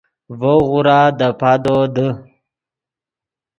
ڤؤ غورا دے پادو دے